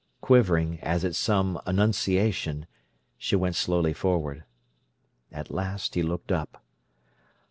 Quivering as at some "annunciation", she went slowly forward. At last he looked up.